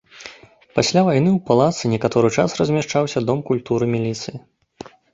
Пасля вайны ў палацы некаторы час размяшчаўся дом культуры міліцыі.